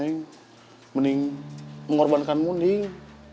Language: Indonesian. mending mending mengorbankanmu neng